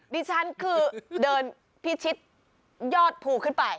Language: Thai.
ดิฉันคือเดินพิชิตยอดภูขึ้นไป